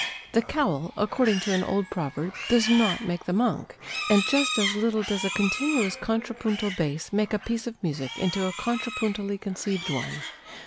'The cowl,' according to an old proverb, 'does not make the monk,' and just as little does a continuous contrapuntal bass make a piece of music into a contrapuntally conceived one.